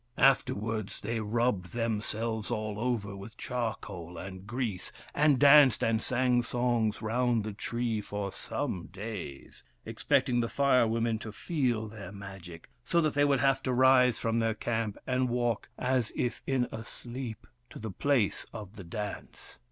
After wards they rubbed themselves all over with char coal and grease, and danced and sang songs round the tree for some days, expecting the Fire Women to feel their Magic, so that they would have to rise from their camp and walk, as if in a sleep, to the place of the dance.